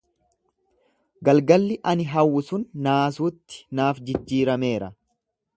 Galgalli ani hawwu sun naasuutti naaf jijjiirameera.